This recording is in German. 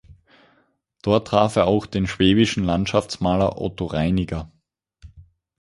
Dort traf er auch den schwäbischen Landschaftsmaler Otto Reiniger.